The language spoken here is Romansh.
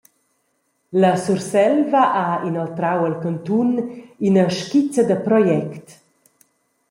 La Surselva ha inoltrau al cantun ina skizza da project.